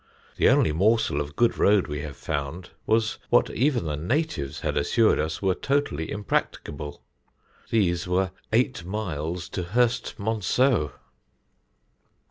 The only morsel of good road we have found, was what even the natives had assured us were totally impracticable; these were eight miles to Hurst Monceaux."